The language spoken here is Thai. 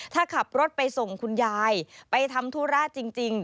ถ้าขับรถไปส่งคุณยายไปทำธุระจริง